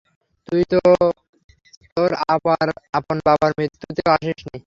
তুই তো তোর আপন বাবার মৃত্যুতেও আসিস নি!